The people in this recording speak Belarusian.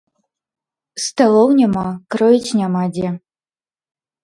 Сталоў няма, кроіць няма дзе.